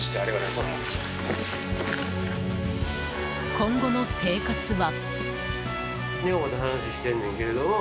今後の生活は。